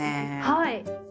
はい。